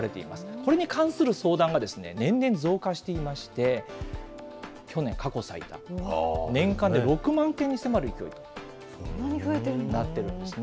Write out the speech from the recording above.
これに関する相談が年々増加していまして、去年過去最多、年間で６万件に迫る勢いとなっているんですね。